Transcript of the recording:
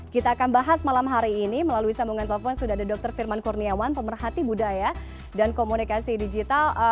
kita akan bahas malam hari ini melalui sambungan telepon sudah ada dr firman kurniawan pemerhati budaya dan komunikasi digital